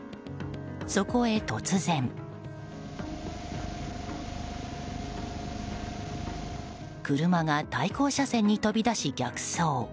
そこへ突然車が対向車線に飛び出し、逆走。